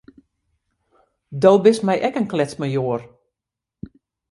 Do bist my ek in kletsmajoar.